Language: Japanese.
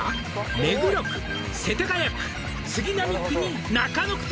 「目黒区世田谷区杉並区に中野区と」